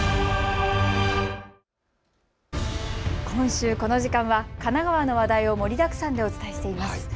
今週、この時間は神奈川の話題を盛りだくさんでお伝えしています。